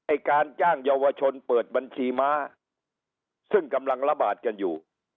การจ้างเยาวชนเปิดบัญชีม้าซึ่งกำลังระบาดกันอยู่